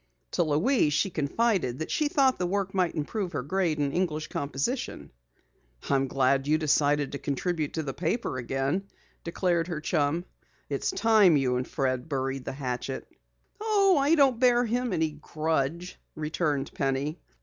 To Louise she confided that she thought the work might improve her grade in English Composition. "I'm glad you've decided to contribute to the paper again," declared her chum. "It's time you and Fred buried the hatchet." "Oh, I don't bear him any grudge," returned Penny.